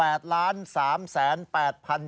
เอามา